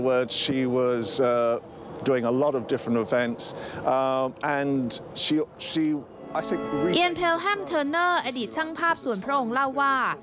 เอียนเพลแฮมเทอร์เนอร์อดีตช่างภาพส่วนพระองค์เล่าว่า